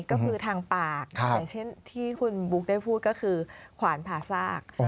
ก็คือทางปากอย่างเช่นที่คุณบุ๊คได้พูดก็คือขวานผ่าซาก